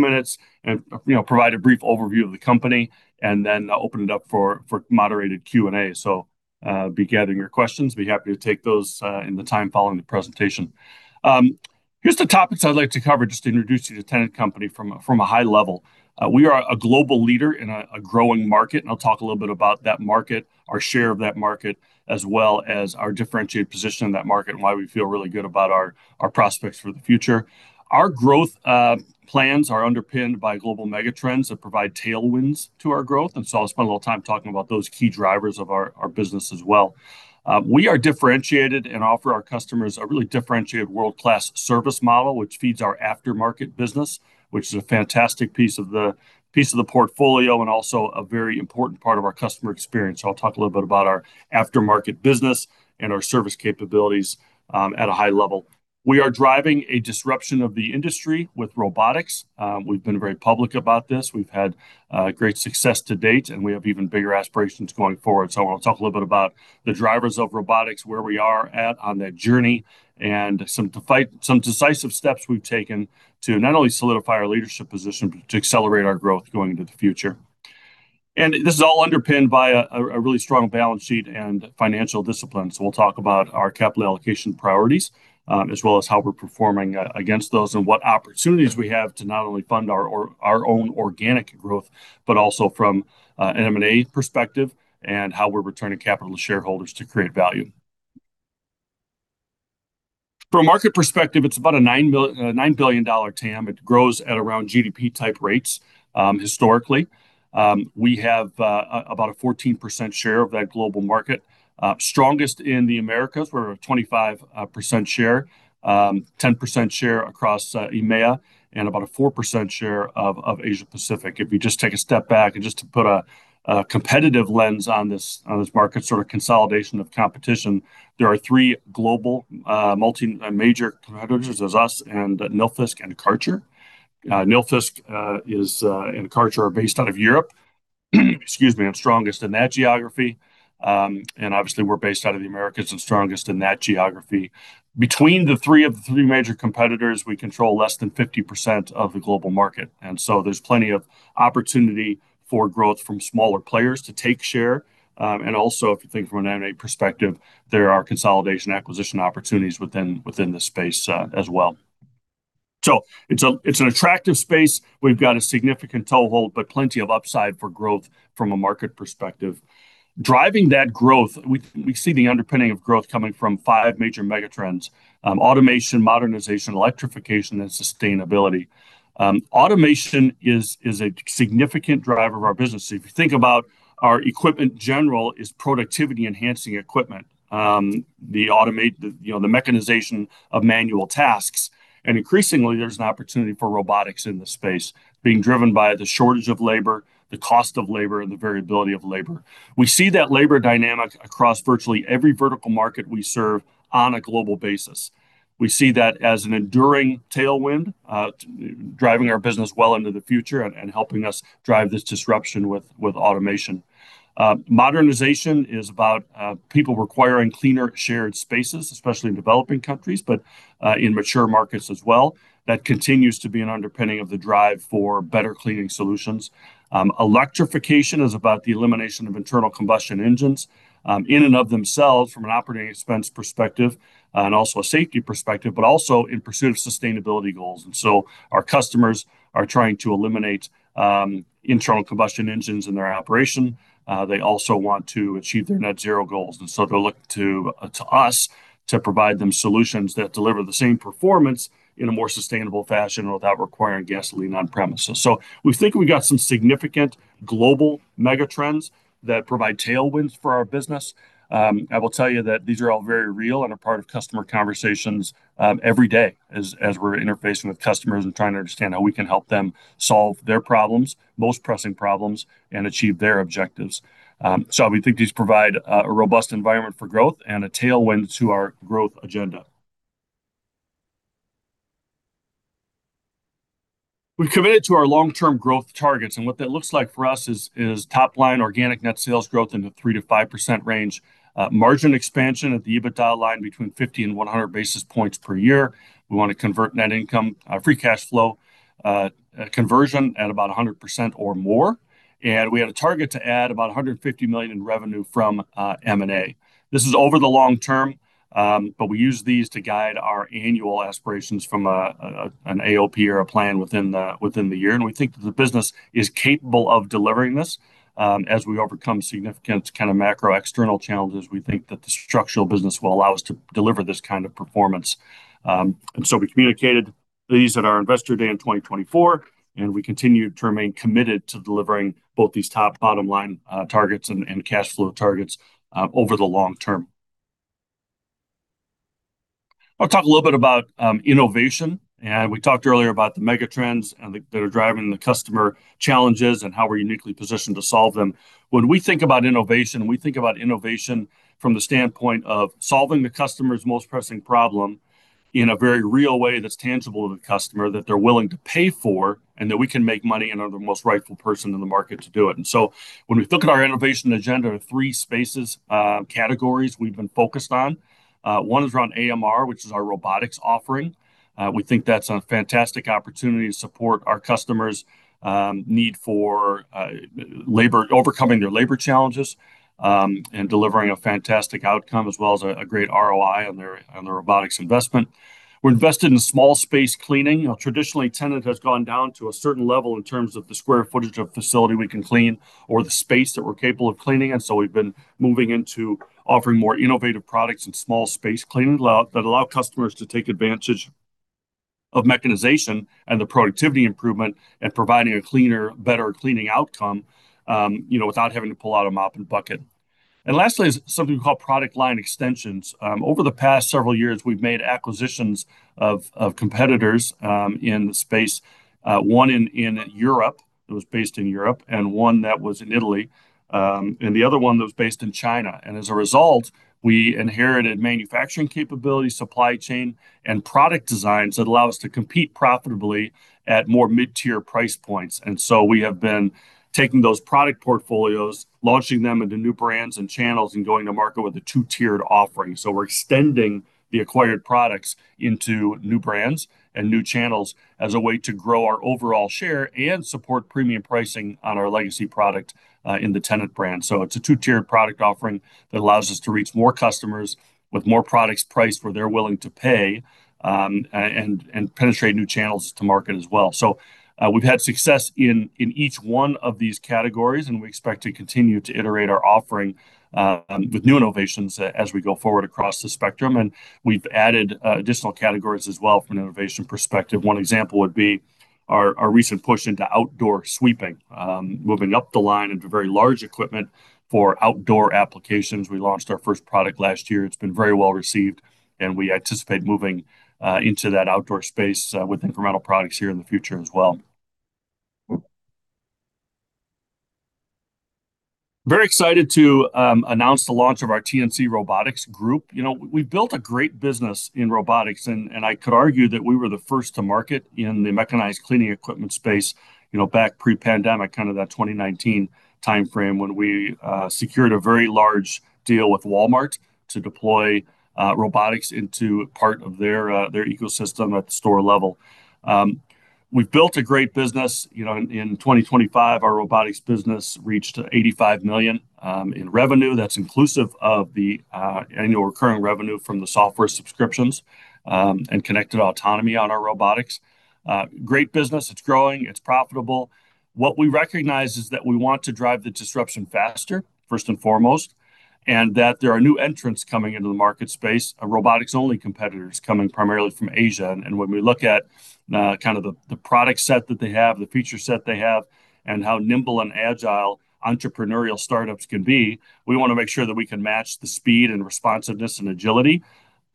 Few minutes, you know, I'll provide a brief overview of the company, and then open it up for moderated Q&A. Please be gathering your questions. I'll be happy to take those in the time following the presentation. Here's the topics I'd like to cover just to introduce you to Tennant Company from a high level. We are a global leader in a growing market, and I'll talk a little bit about that market, our share of that market, as well as our differentiated position in that market and why we feel really good about our prospects for the future. Our growth plans are underpinned by global mega trends that provide tailwinds to our growth, and I'll spend a little time talking about those key drivers of our business as well. We are differentiated and offer our customers a really differentiated world-class service model, which feeds our aftermarket business, which is a fantastic piece of the portfolio and also a very important part of our customer experience. I'll talk a little bit about our aftermarket business and our service capabilities at a high level. We are driving a disruption of the industry with robotics. We've been very public about this. We've had great success to date, and we have even bigger aspirations going forward. I wanna talk a little bit about the drivers of robotics, where we are at on that journey, and some decisive steps we've taken to not only solidify our leadership position, but to accelerate our growth going into the future. This is all underpinned by a really strong balance sheet and financial discipline. We'll talk about our capital allocation priorities, as well as how we're performing against those and what opportunities we have to not only fund our own organic growth, but also from M&A perspective, and how we're returning capital to shareholders to create value. From a market perspective, it's about a $9 billion TAM. It grows at around GDP type rates, historically. We have about a 14% share of that global market. Strongest in the Americas, we're a 25% share. Ten percent share across EMEA, and about a 4% share of Asia-Pacific. If you just take a step back and just to put a competitive lens on this market, sort of consolidation of competition, there are three global multi major competitors. There's us and Nilfisk and Kärcher. Nilfisk and Kärcher are based out of Europe, excuse me, and strongest in that geography. Obviously we're based out of the Americas and strongest in that geography. Between the three major competitors, we control less than 50% of the global market. There's plenty of opportunity for growth from smaller players to take share. If you think from an M&A perspective, there are consolidation acquisition opportunities within the space, as well. It's an attractive space. We've got a significant toehold, but plenty of upside for growth from a market perspective. Driving that growth, we see the underpinning of growth coming from five major mega trends. Automation, modernization, electrification, and sustainability. Automation is a significant driver of our business. If you think about our equipment in general is productivity enhancing equipment, the automation, you know, the mechanization of manual tasks. Increasingly there's an opportunity for robotics in the space being driven by the shortage of labor, the cost of labor, and the variability of labor. We see that labor dynamic across virtually every vertical market we serve on a global basis. We see that as an enduring tailwind, driving our business well into the future and helping us drive this disruption with automation. Modernization is about people requiring cleaner shared spaces, especially in developing countries, but in mature markets as well. That continues to be an underpinning of the drive for better cleaning solutions. Electrification is about the elimination of internal combustion engines, in and of themselves from an operating expense perspective and also a safety perspective, but also in pursuit of sustainability goals. Our customers are trying to eliminate internal combustion engines in their operation. They also want to achieve their net zero goals, and so they're looking to us to provide them solutions that deliver the same performance in a more sustainable fashion without requiring gasoline on premises. We think we got some significant global mega trends that provide tailwinds for our business. I will tell you that these are all very real and are part of customer conversations every day as we're interfacing with customers and trying to understand how we can help them solve their problems, most pressing problems, and achieve their objectives. We think these provide a robust environment for growth and a tailwind to our growth agenda. We've committed to our long-term growth targets, and what that looks like for us is top line organic net sales growth in the 3%-5% range. Margin expansion at the EBITDA line between 50 and 100 basis points per year. We wanna convert net income free cash flow conversion at about 100% or more. We have a target to add about $150 million in revenue from M&A. This is over the long term, but we use these to guide our annual aspirations from an AOP or a plan within the year. We think that the business is capable of delivering this, as we overcome significant kind of macro-external challenges. We think that the structural business will allow us to deliver this kind of performance. We communicated these at our Investor Day in 2024, and we continue to remain committed to delivering both these top- and bottom-line targets and cash flow targets over the long term. I'll talk a little bit about innovation, and we talked earlier about the mega trends that are driving the customer challenges and how we're uniquely positioned to solve them. When we think about innovation, we think about innovation from the standpoint of solving the customer's most pressing problem in a very real way that's tangible to the customer, that they're willing to pay for, and that we can make money and are the most rightful person in the market to do it. When we look at our innovation agenda, there are three spaces, categories we've been focused on. One is around AMR, which is our robotics offering. We think that's a fantastic opportunity to support our customers' need for overcoming their labor challenges, and delivering a fantastic outcome, as well as a great ROI on their robotics investment. We're invested in small space cleaning. You know, traditionally, Tennant has gone down to a certain level in terms of the square footage of facility we can clean or the space that we're capable of cleaning, and we've been moving into offering more innovative products and small space cleaning that allow customers to take advantage of mechanization and the productivity improvement and providing a cleaner, better cleaning outcome, you know, without having to pull out a mop and bucket. Lastly is something called product line extensions. Over the past several years, we've made acquisitions of competitors in the space, one in Europe, it was based in Europe, and one that was in Italy, and the other one that was based in China. As a result, we inherited manufacturing capability, supply chain, and product designs that allow us to compete profitably at more mid-tier price points. We have been taking those product portfolios, launching them into new brands and channels, and going to market with a two-tiered offering. We're extending the acquired products into new brands and new channels as a way to grow our overall share and support premium pricing on our legacy product in the Tennant brand. It's a two-tiered product offering that allows us to reach more customers with more products priced where they're willing to pay, and penetrate new channels to market as well. We've had success in each one of these categories, and we expect to continue to iterate our offering with new innovations as we go forward across the spectrum. We've added additional categories as well from an innovation perspective. One example would be our recent push into outdoor sweeping, moving up the line into very large equipment for outdoor applications. We launched our first product last year. It's been very well-received, and we anticipate moving into that outdoor space with incremental products here in the future as well. Very excited to announce the launch of our TNC Robotics Group. You know, we built a great business in robotics, and I could argue that we were the first to market in the mechanized cleaning equipment space, you know, back pre-pandemic, kind of that 2019 timeframe, when we secured a very large deal with Walmart to deploy robotics into part of their ecosystem at the store level. We've built a great business. You know, in 2025, our robotics business reached $85 million in revenue. That's inclusive of the annual recurring revenue from the software subscriptions and connected autonomy on our robotics. Great business. It's growing. It's profitable. What we recognize is that we want to drive the disruption faster, first and foremost, and that there are new entrants coming into the market space, robotics-only competitors coming primarily from Asia. When we look at kind of the product set that they have, the feature set they have, and how nimble and agile entrepreneurial startups can be, we wanna make sure that we can match the speed and responsiveness and agility,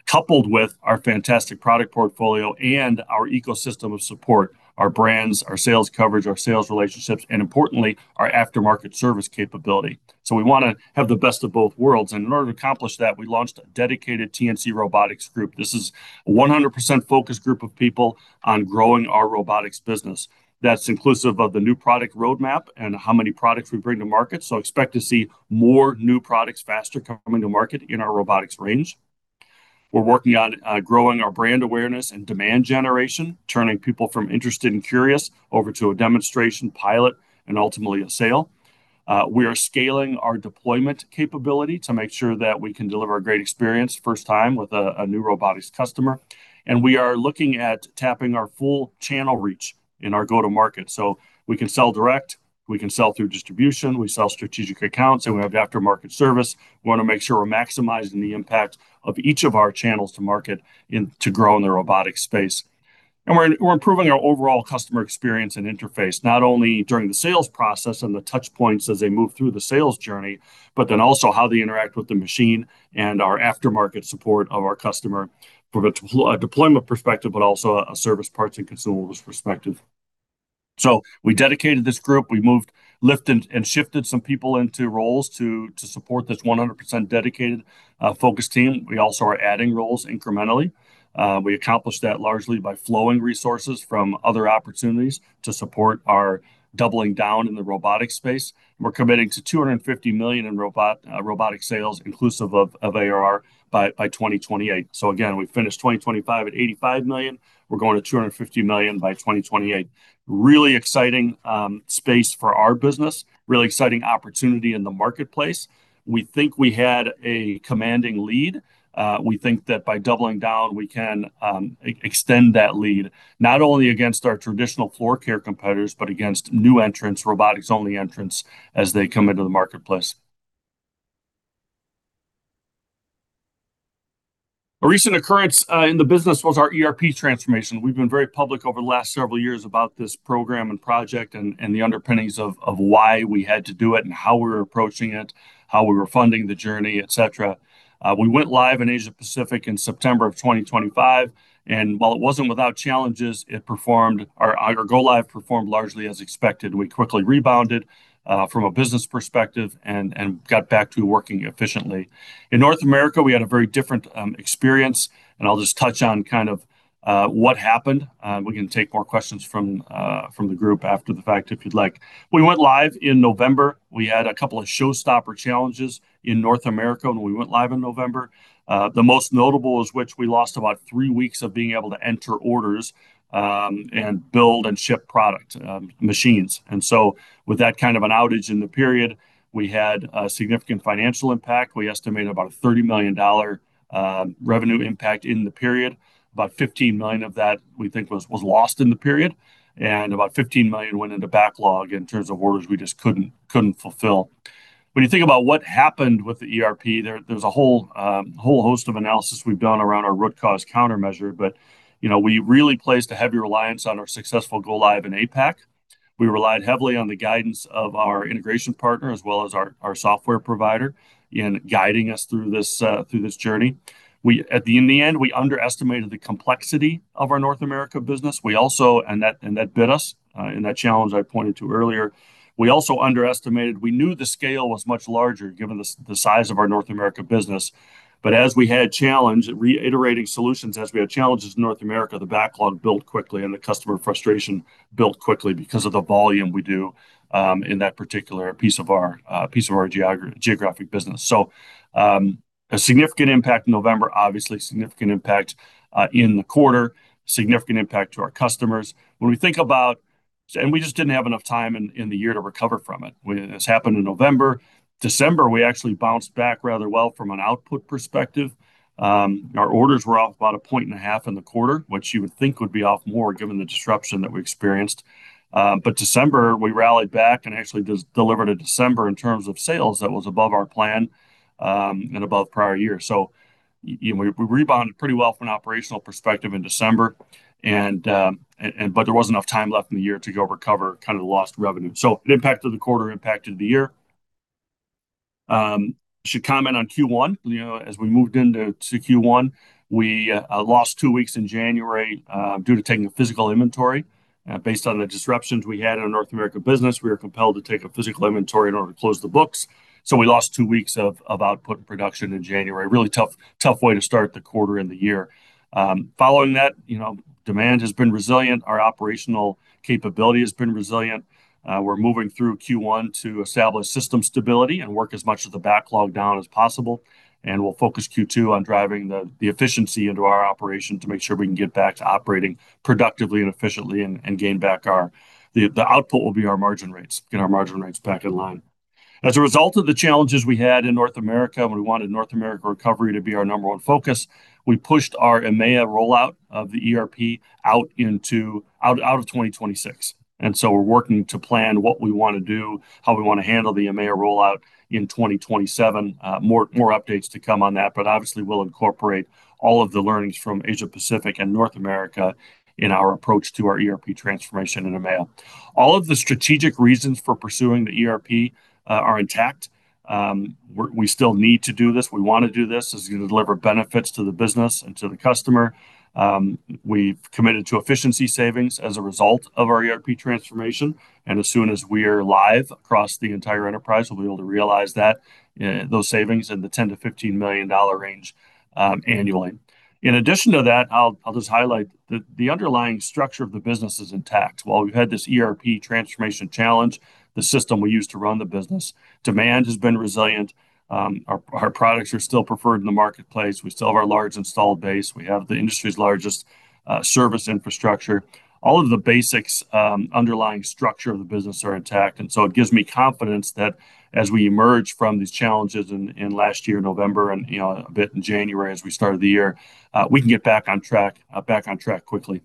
coupled with our fantastic product portfolio and our ecosystem of support, our brands, our sales coverage, our sales relationships, and importantly, our aftermarket service capability. We wanna have the best of both worlds. In order to accomplish that, we launched a dedicated TNC Robotics Group. This is a 100% focused group of people on growing our robotics business. That's inclusive of the new product roadmap and how many products we bring to market, so expect to see more new products faster coming to market in our robotics range. We're working on growing our brand awareness and demand generation, turning people from interested and curious over to a demonstration pilot and ultimately a sale. We are scaling our deployment capability to make sure that we can deliver a great experience first time with a new robotics customer. We are looking at tapping our full channel reach in our go-to-market. We can sell direct, we can sell through distribution, we sell strategic accounts, and we have aftermarket service. We wanna make sure we're maximizing the impact of each of our channels to market and to grow in the robotic space. We're improving our overall customer experience and interface, not only during the sales process and the touch points as they move through the sales journey, but then also how they interact with the machine and our aftermarket support of our customer from a deployment perspective, but also a service parts and consumables perspective. We dedicated this group. We moved, lifted, and shifted some people into roles to support this 100% dedicated, focused team. We also are adding roles incrementally. We accomplished that largely by flowing resources from other opportunities to support our doubling down in the robotic space. We're committing to $250 million in robotic sales inclusive of ARR by 2028. We finished 2025 at $85 million. We're going to $250 million by 2028. Really exciting space for our business. Really exciting opportunity in the marketplace. We think we had a commanding lead. We think that by doubling down, we can extend that lead, not only against our traditional floor care competitors, but against new entrants, robotics-only entrants, as they come into the marketplace. A recent occurrence in the business was our ERP transformation. We've been very public over the last several years about this program and project and the underpinnings of why we had to do it and how we were approaching it, how we were funding the journey, et cetera. We went live in Asia-Pacific in September of 2025, and while it wasn't without challenges, it performed. Our go-live performed largely as expected. We quickly rebounded from a business perspective and got back to working efficiently. In North America, we had a very different experience, and I'll just touch on kind of what happened. We can take more questions from the group after the fact if you'd like. We went live in November. We had a couple of showstopper challenges in North America when we went live in November. The most notable is which we lost about three weeks of being able to enter orders and build and ship product machines. With that kind of an outage in the period, we had a significant financial impact. We estimate about a $30 million revenue impact in the period. About $15 million of that we think was lost in the period, and about $15 million went into backlog in terms of orders we just couldn't fulfill. When you think about what happened with the ERP, there's a whole host of analysis we've done around our root cause countermeasure. You know, we really placed a heavy reliance on our successful go-live in APAC. We relied heavily on the guidance of our integration partner as well as our software provider in guiding us through this journey. In the end, we underestimated the complexity of our North America business. That bit us in that challenge I pointed to earlier. We also underestimated. We knew the scale was much larger given the size of our North America business. As we had challenges reiterating solutions, as we had challenges in North America, the backlog built quickly and the customer frustration built quickly because of the volume we do in that particular piece of our geographic business. A significant impact in November, obviously significant impact in the quarter, significant impact to our customers. We just didn't have enough time in the year to recover from it. When this happened in November, December, we actually bounced back rather well from an output perspective. Our orders were off about 1.5% in the quarter, which you would think would be off more given the disruption that we experienced. December, we rallied back and actually delivered a December in terms of sales that was above our plan, and above prior year. We rebounded pretty well from an operational perspective in December but there wasn't enough time left in the year to go recover kind of the lost revenue. It impacted the quarter, impacted the year. Should comment on Q1. As we moved into Q1, we lost two weeks in January due to taking a physical inventory. Based on the disruptions we had in our North America business, we were compelled to take a physical inventory in order to close the books. We lost two weeks of output and production in January. Really tough way to start the quarter and the year. Following that, demand has been resilient. Our operational capability has been resilient. We're moving through Q1 to establish system stability and work as much of the backlog down as possible, and we'll focus Q2 on driving the efficiency into our operation to make sure we can get back to operating productively and efficiently and gain back our output. The output will be our margin rates back in line. As a result of the challenges we had in North America, when we wanted North America recovery to be our number one focus, we pushed our EMEA rollout of the ERP out of 2026. We're working to plan what we wanna do, how we wanna handle the EMEA rollout in 2027. More updates to come on that, but obviously we'll incorporate all of the learnings from Asia-Pacific and North America in our approach to our ERP transformation in EMEA. All of the strategic reasons for pursuing the ERP are intact. We still need to do this. We wanna do this. This is gonna deliver benefits to the business and to the customer. We've committed to efficiency savings as a result of our ERP transformation, and as soon as we're live across the entire enterprise, we'll be able to realize those savings in the $10 million-$15 million range annually. In addition to that, I'll just highlight the underlying structure of the business is intact. While we've had this ERP transformation challenge, the system we use to run the business, demand has been resilient. Our products are still preferred in the marketplace. We still have our large installed base. We have the industry's largest service infrastructure. All of the basics underlying structure of the business are intact. It gives me confidence that as we emerge from these challenges in last year, November and you know, a bit in January as we started the year, we can get back on track quickly.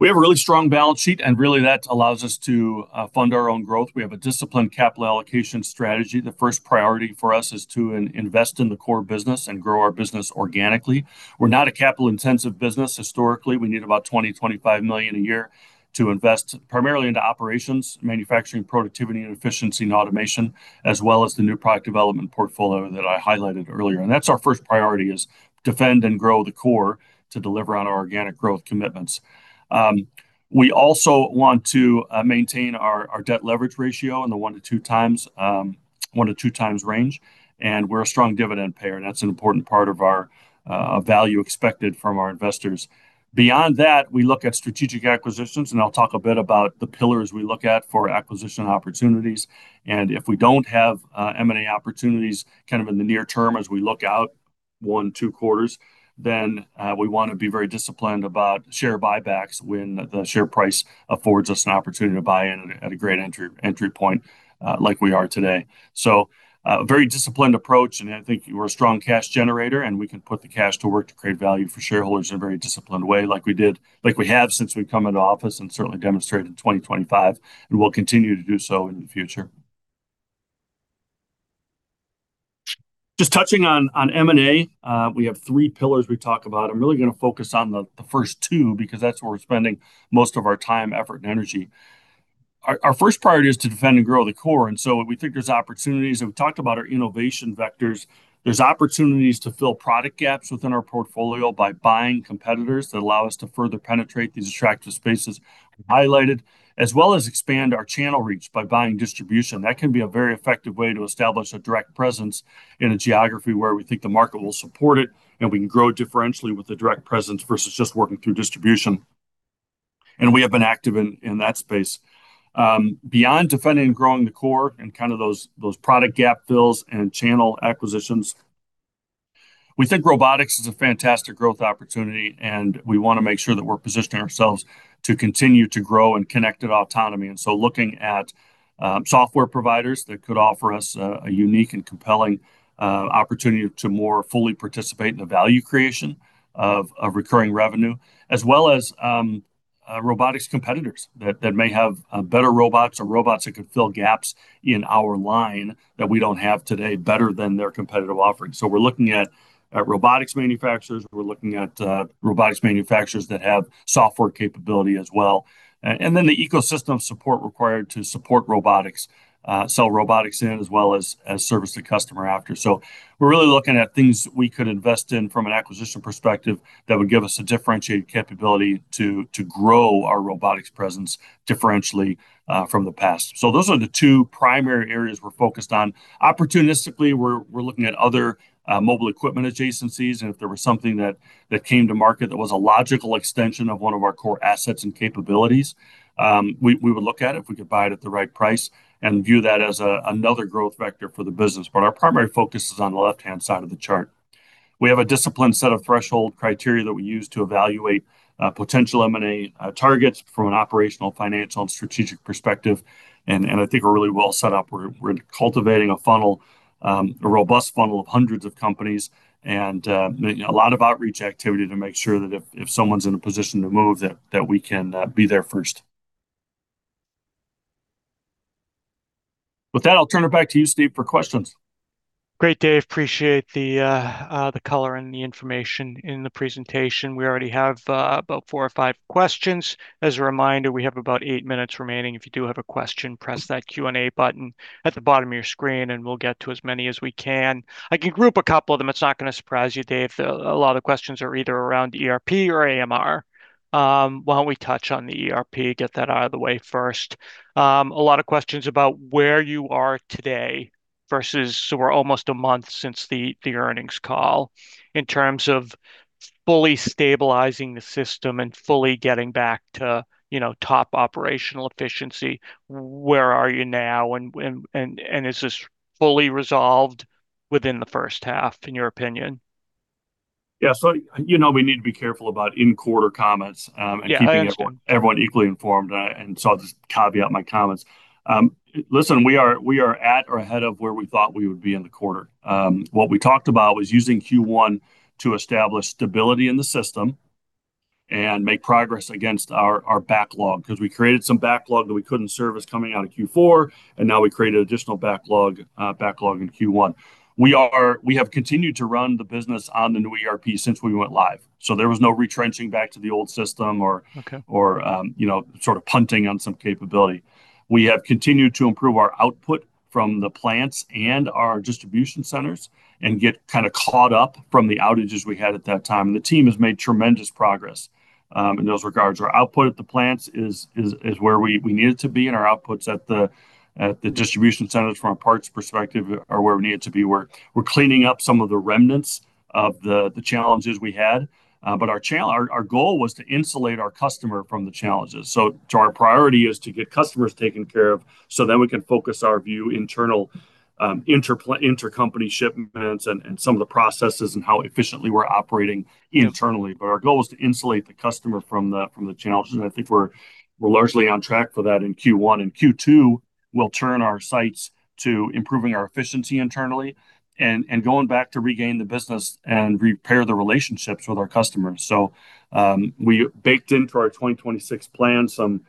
We have a really strong balance sheet, and really that allows us to fund our own growth. We have a disciplined capital allocation strategy. The first priority for us is to invest in the core business and grow our business organically. We're not a capital-intensive business historically. We need about $20 million-$25 million a year to invest primarily into operations, manufacturing, productivity and efficiency and automation, as well as the new product development portfolio that I highlighted earlier. That's our first priority is defend and grow the core to deliver on our organic growth commitments. We also want to maintain our debt leverage ratio in the 1x-2x range, and we're a strong dividend payer, and that's an important part of our value expected from our investors. Beyond that, we look at strategic acquisitions, and I'll talk a bit about the pillars we look at for acquisition opportunities. If we don't have M&A opportunities kind of in the near term as we look out one, two quarters, then we wanna be very disciplined about share buybacks when the share price affords us an opportunity to buy in at a great entry point like we are today. A very disciplined approach, and I think we're a strong cash generator, and we can put the cash to work to create value for shareholders in a very disciplined way like we did, like we have since we've come into office and certainly demonstrated in 2025, and we'll continue to do so in the future. Just touching on M&A, we have three pillars we talk about. I'm really gonna focus on the first two because that's where we're spending most of our time, effort, and energy. Our first priority is to defend and grow the core, and so if we think there's opportunities, and we've talked about our innovation vectors. There's opportunities to fill product gaps within our portfolio by buying competitors that allow us to further penetrate these attractive spaces highlighted, as well as expand our channel reach by buying distribution. That can be a very effective way to establish a direct presence in a geography where we think the market will support it, and we can grow differentially with a direct presence versus just working through distribution. We have been active in that space. Beyond defending and growing the core and kind of those product gap fills and channel acquisitions, we think robotics is a fantastic growth opportunity, and we wanna make sure that we're positioning ourselves to continue to grow in connected autonomy. Looking at software providers that could offer us a unique and compelling opportunity to more fully participate in the value creation of recurring revenue, as well as robotics competitors that may have better robots or robots that can fill gaps in our line that we don't have today better than their competitive offerings. We're looking at robotics manufacturers. We're looking at robotics manufacturers that have software capability as well. And then the ecosystem support required to support robotics, sell robotics in as well as service to customer after. We're really looking at things that we could invest in from an acquisition perspective that would give us a differentiated capability to grow our robotics presence differentially from the past. Those are the two primary areas we're focused on. Opportunistically, we're looking at other mobile equipment adjacencies, and if there was something that came to market that was a logical extension of one of our core assets and capabilities, we would look at it if we could buy it at the right price and view that as another growth vector for the business. Our primary focus is on the left-hand side of the chart. We have a disciplined set of threshold criteria that we use to evaluate potential M&A targets from an operational, financial, and strategic perspective. I think we're really well set up. We're cultivating a funnel, a robust funnel of hundreds of companies and making a lot of outreach activity to make sure that if someone's in a position to move, that we can be there first. With that, I'll turn it back to you, Steve, for questions. Great, Dave. Appreciate the color and the information in the presentation. We already have about four or five questions. As a reminder, we have about eight minutes remaining. If you do have a question, press that Q&A button at the bottom of your screen, and we'll get to as many as we can. I can group a couple of them. It's not gonna surprise you, Dave, a lot of questions are either around ERP or AMR. Why don't we touch on the ERP, get that out of the way first? A lot of questions about where you are today versus so we're almost a month since the earnings call. In terms of fully stabilizing the system and fully getting back to, you know, top operational efficiency, where are you now? Is this fully resolved within the first half, in your opinion? Yeah. You know, we need to be careful about in-quarter comments. Yeah. I understand. keeping everyone equally informed. I'll just caveat my comments. Listen, we are at or ahead of where we thought we would be in the quarter. What we talked about was using Q1 to establish stability in the system and make progress against our backlog 'cause we created some backlog that we couldn't serve as coming out of Q4, and now we created additional backlog in Q1. We have continued to run the business on the new ERP since we went live, so there was no retrenching back to the old system or- Okay. Or, you know, sort of punting on some capability. We have continued to improve our output from the plants and our distribution centers and get kinda caught up from the outages we had at that time. The team has made tremendous progress in those regards. Our output at the plants is where we need it to be, and our outputs at the distribution centers from a parts perspective are where we need it to be. We're cleaning up some of the remnants of the challenges we had. Our goal was to insulate our customer from the challenges. Our priority is to get customers taken care of, so then we can focus our view internal, intercompany shipments and some of the processes and how efficiently we're operating internally. Our goal was to insulate the customer from the challenges, and I think we're largely on track for that in Q1. In Q2, we'll turn our sights to improving our efficiency internally and going back to regain the business and repair the relationships with our customers. We baked into our 2026 plan some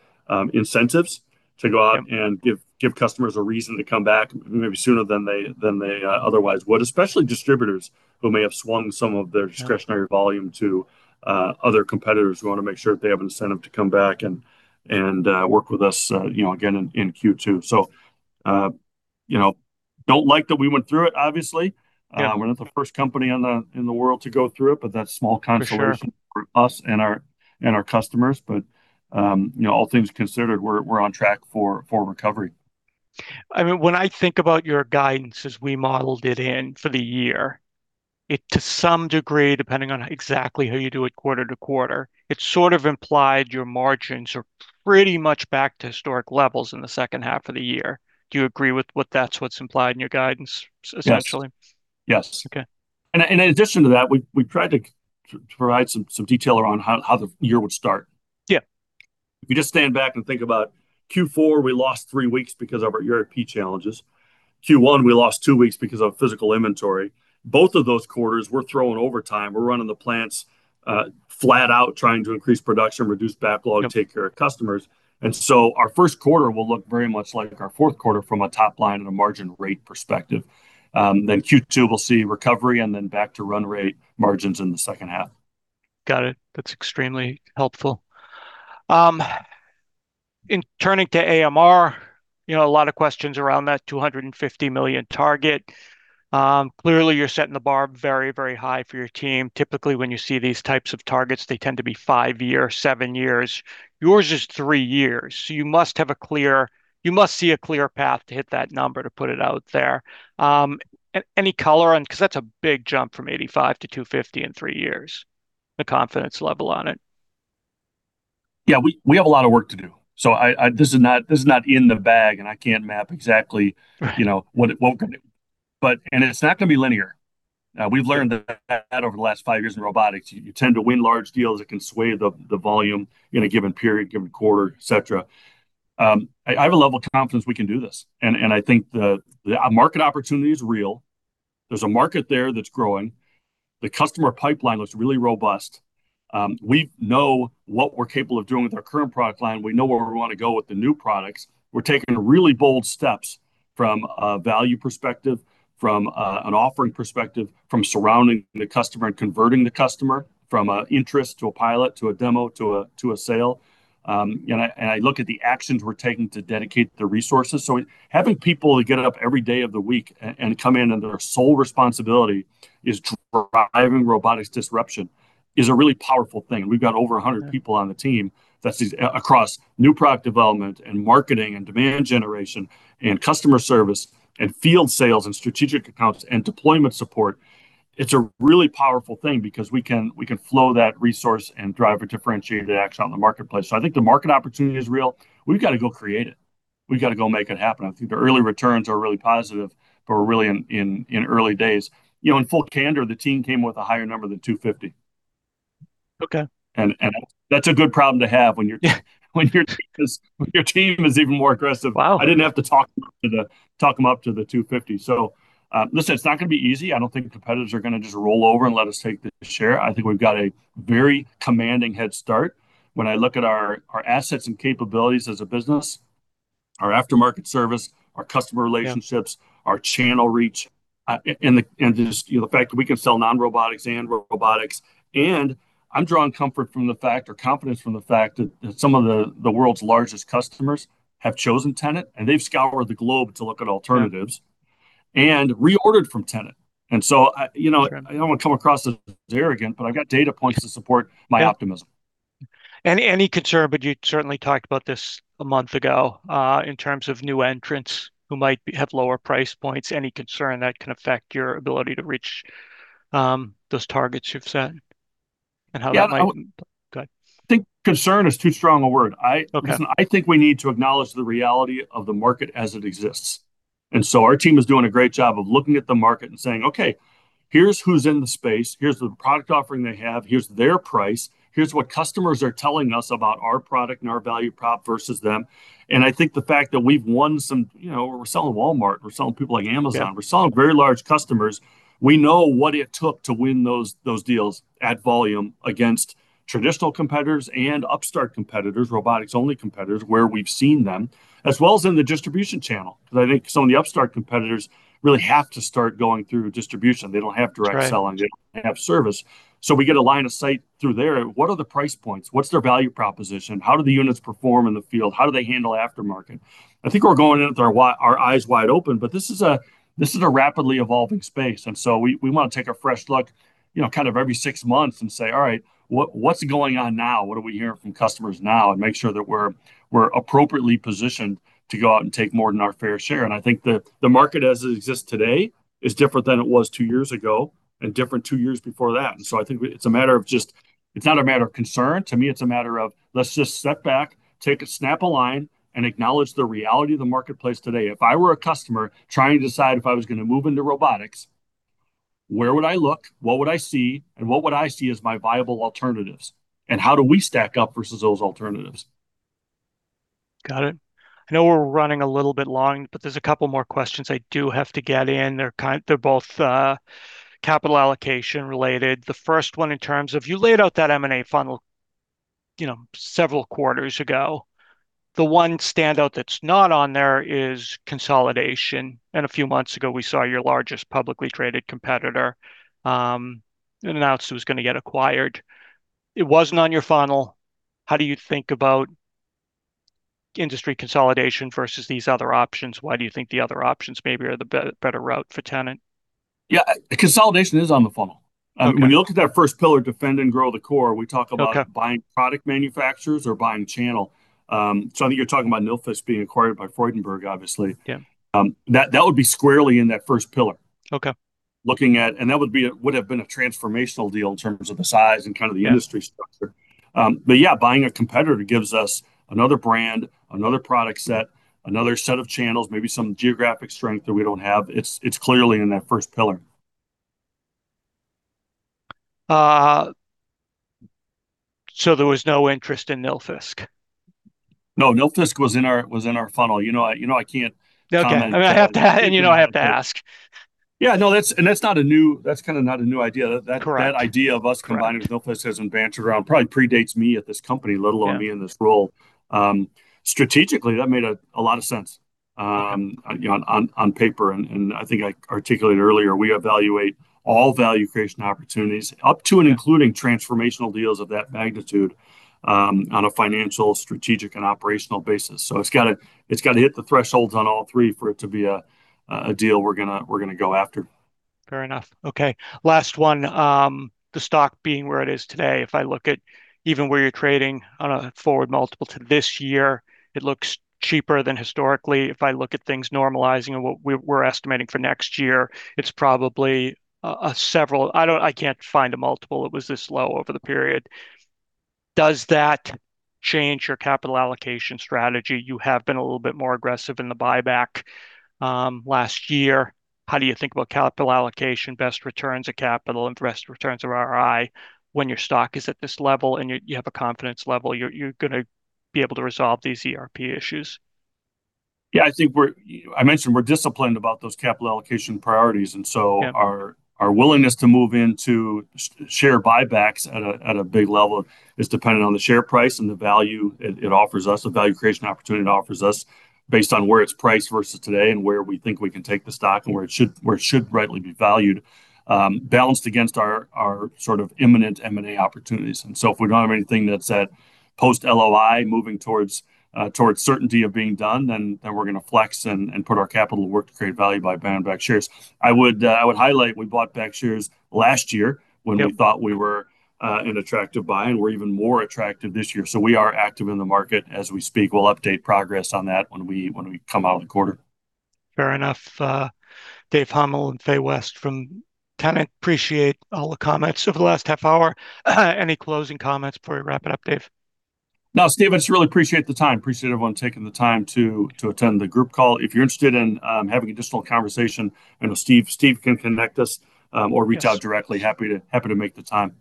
incentives to go out and give customers a reason to come back maybe sooner than they otherwise would, especially distributors who may have swung some of their- Yeah.... discretionary volume to other competitors. We wanna make sure that they have incentive to come back and work with us, you know, again in Q2. You know, don't like that we went through it, obviously. Yeah. We're not the first company in the world to go through it, but that's small consolation. For sure. For us and our customers. You know, all things considered, we're on track for recovery. I mean, when I think about your guidance as we modeled it in for the year, it to some degree, depending on exactly how you do it quarter to quarter, it sort of implied your margins are pretty much back to historic levels in the second half of the year. Do you agree with what that's what's implied in your guidance essentially? Yes. Yes. Okay. In addition to that, we tried to provide some detail around how the year would start. Yeah. If you just stand back and think about Q4, we lost three weeks because of our ERP challenges. Q1, we lost two weeks because of physical inventory. Both of those quarters, we're throwing overtime. We're running the plants flat out trying to increase production, reduce backlog. Yeah.... take care of customers. Our first quarter will look very much like our fourth quarter from a top line and a margin rate perspective. Then Q2, we'll see recovery and then back to run rate margins in the second half. Got it. That's extremely helpful. In turning to AMR, you know, a lot of questions around that $250 million target. Clearly you're setting the bar very, very high for your team. Typically, when you see these types of targets, they tend to be five-year, seven-year. Yours is three years, so you must see a clear path to hit that number to put it out there. Any color on... 'Cause that's a big jump from $85 million-$250 million in three years, the confidence level on it. Yeah. We have a lot of work to do. This is not in the bag, and I can't map exactly. Right. You know, what we're gonna do. It's not gonna be linear. We've learned that over the last five years in robotics. You tend to win large deals that can sway the volume in a given period, given quarter, et cetera. I have a level of confidence we can do this, and I think the market opportunity is real. There's a market there that's growing. The customer pipeline looks really robust. We know what we're capable of doing with our current product line. We know where we wanna go with the new products. We're taking really bold steps from a value perspective, from an offering perspective, from surrounding the customer and converting the customer from an interest to a pilot, to a demo, to a sale. I look at the actions we're taking to dedicate the resources. Having people get up every day of the week and come in, and their sole responsibility is driving robotics disruption is a really powerful thing. We've got over 100 people on the team that's across new product development and marketing and demand generation and customer service and field sales and strategic accounts and deployment support. It's a really powerful thing because we can flow that resource and drive a differentiated action on the marketplace. I think the market opportunity is real. We've gotta go create it. We've gotta go make it happen. I think the early returns are really positive, but we're really in early days. You know, in full candor, the team came with a higher number than $250 million. Okay. That's a good problem to have when your- Yeah. When your team is even more aggressive. Wow. I didn't have to talk them up to the $250 million. Listen, it's not gonna be easy. I don't think the competitors are gonna just roll over and let us take the share. I think we've got a very commanding head start. When I look at our assets and capabilities as a business, our aftermarket service, our customer relationships. Yeah.... our channel reach, and just, you know, the fact that we can sell non-robotics and robotics. I'm drawing comfort from the fact, or confidence from the fact that some of the world's largest customers have chosen Tennant, and they've scoured the globe to look at alternatives reordered from Tennant. I, you know, I don't wanna come across as arrogant, but I've got data points to support my optimism. Yeah. Any concern, but you certainly talked about this a month ago in terms of new entrants who might have lower price points. Any concern that can affect your ability to reach those targets you've set, and how that might- Yeah. I wouldn't. Go ahead. I think concern is too strong a word. Okay. Listen, I think we need to acknowledge the reality of the market as it exists. Our team is doing a great job of looking at the market and saying, "Okay, here's who's in the space. Here's the product offering they have. Here's their price. Here's what customers are telling us about our product and our value prop versus them." I think the fact that we've won some, you know, we're selling Walmart, we're selling people like Amazon. Yeah. We're selling to very large customers. We know what it took to win those deals at volume against traditional competitors and upstart competitors, robotics-only competitors, where we've seen them, as well as in the distribution channel, because I think some of the upstart competitors really have to start going through distribution. They don't have direct selling. That's right. They don't have service. We get a line of sight through there. What are the price points? What's their value proposition? How do the units perform in the field? How do they handle aftermarket? I think we're going in with our eyes wide open, but this is a rapidly evolving space. We wanna take a fresh look, you know, kind of every six months and say, "All right, what's going on now? What are we hearing from customers now?" Make sure that we're appropriately positioned to go out and take more than our fair share. I think the market as it exists today is different than it was two years ago and different two years before that. I think it's a matter of just. It's not a matter of concern. To me, it's a matter of let's just step back, take a, snap a line, and acknowledge the reality of the marketplace today. If I were a customer trying to decide if I was gonna move into robotics, where would I look, what would I see, and what would I see as my viable alternatives? How do we stack up versus those alternatives? Got it. I know we're running a little bit long, but there's a couple more questions I do have to get in. They're both capital allocation related. The first one in terms of you laid out that M&A funnel, you know, several quarters ago. The one standout that's not on there is consolidation, and a few months ago, we saw your largest publicly traded competitor announced it was gonna get acquired. It wasn't on your funnel. How do you think about industry consolidation versus these other options? Why do you think the other options maybe are the better route for Tennant? Yeah. Consolidation is on the funnel. Okay. I mean, when you look at that first pillar, defend and grow the core. Okay. We talk about buying product manufacturers or buying channel. I think you're talking about Nilfisk being acquired by Freudenberg, obviously. Yeah. That would be squarely in that first pillar. Okay. Looking at, that would have been a transformational deal in terms of the size and kind of the industry structure. Yeah, buying a competitor gives us another brand, another product set, another set of channels, maybe some geographic strength that we don't have. It's clearly in that first pillar. There was no interest in Nilfisk? No. Nilfisk was in our funnel. You know, I can't- Okay.... comment on anything we don't public- You know, I have to ask. Yeah. No. That's kinda not a new idea. Correct. That idea of us combining. Correct.... with Nilfisk has been bantered around, probably predates me at this company. Yeah. Let alone me in this role. Strategically, that made a lot of sense. You know, on paper, and I think I articulated earlier, we evaluate all value creation opportunities up to and including transformational deals of that magnitude, on a financial, strategic, and operational basis. It's gotta hit the thresholds on all three for it to be a deal we're gonna go after. Fair enough. Okay, last one. The stock being where it is today, if I look at even where you're trading on a forward multiple to this year, it looks cheaper than historically. If I look at things normalizing and what we're estimating for next year, I can't find a multiple that was this low over the period. Does that change your capital allocation strategy? You have been a little bit more aggressive in the buyback last year. How do you think about capital allocation, best returns of capital, and best returns of ROI when your stock is at this level and you have a confidence level you're gonna be able to resolve these ERP issues? Yeah. I think I mentioned we're disciplined about those capital allocation priorities, and so- Yeah. Our willingness to move into share buybacks at a big level is dependent on the share price and the value it offers us, the value creation opportunity it offers us based on where it's priced versus today and where we think we can take the stock and where it should rightly be valued, balanced against our sort of imminent M&A opportunities. If we don't have anything that's at post LOI moving towards certainty of being done, then we're gonna flex and put our capital to work to create value by buying back shares. I would highlight we bought back shares last year. Yep.... when we thought we were an attractive buy, and we're even more attractive this year. We are active in the market as we speak. We'll update progress on that when we come out of the quarter. Fair enough. Dave Huml and Fay West from Tennant. Appreciate all the comments over the last half hour. Any closing comments before we wrap it up, Dave? No, Steve, I just really appreciate the time. Appreciate everyone taking the time to attend the group call. If you're interested in having additional conversation, I know Steve can connect us. Yes. Reach out directly. Happy to make the time.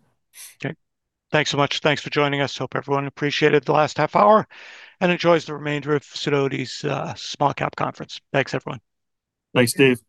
Okay. Thanks so much. Thanks for joining us. Hope everyone appreciated the last half hour and enjoys the remainder of Sidoti & Company's Small-Cap Conference. Thanks, everyone. Thanks, Steve.